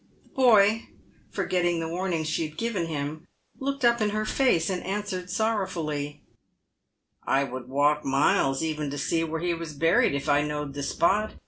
The boy, forgetting the warning she had given him, looked up in her face, and answered sorrowfully, " I would walk miles even to see where he was buried, if I knowed the spot.